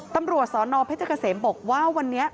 ตำรวจสนเพชรเกษมบอกว่าวันนี้